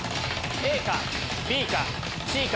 ＡかＢかＣか。